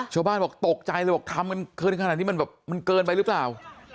ชาวบ้านบอกตกใจเลยบอกทำกันเกินขนาดนี้มันแบบมันเกินไปหรือเปล่า